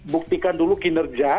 buktikan dulu kinerja